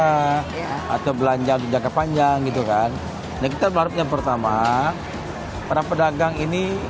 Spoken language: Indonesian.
belanja as opposed aha atau belanja ntyaka panjang gitu kan yg terbaru yang pertama karena pedagang ini